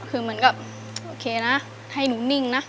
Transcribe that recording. คือเหมือนกับโอเคนะให้หนูนิ่งนะ